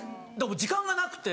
時間がなくて。